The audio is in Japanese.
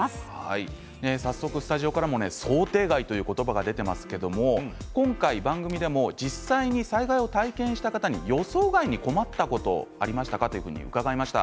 早速スタジオからも想定外という言葉が出ていますけど、今回番組でも実際に災害を体験した方に予想外に困ったことありましたか？と伺いました。